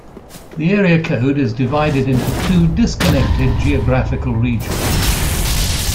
This area code is divided into two disconnected geographical regions.